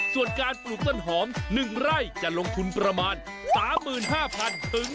ส่วนการปลูกต้นหอมหนึ่งไร่จะลงทุนประมาณ๓๕๐๐๐๔๐๐๐๐บาท